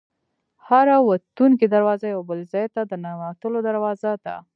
هره وتونکې دروازه یو بل ځای ته د ننوتلو دروازه ده.